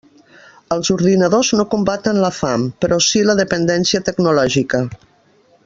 Els ordinadors no combaten la fam, però sí la dependència tecnològica.